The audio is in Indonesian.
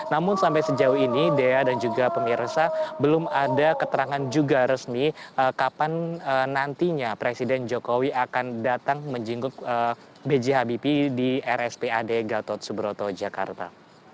namun sampai sejauh ini dea dan juga pemirsa belum ada keterangan juga resmi kapan nantinya presiden jokowi akan datang menjingkuk bj habibi di rspa di gatot suburoto jakarta